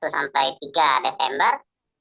satu sampai tiga desember